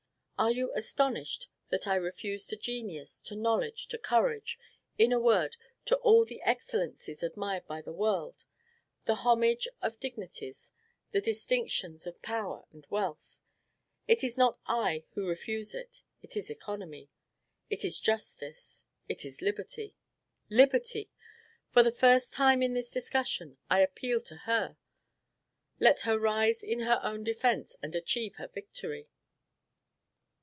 Are you astonished that I refuse to genius, to knowledge, to courage, in a word, to all the excellences admired by the world, the homage of dignities, the distinctions of power and wealth? It is not I who refuse it: it is economy, it is justice, it is liberty. Liberty! for the first time in this discussion I appeal to her. Let her rise in her own defence, and achieve her victory.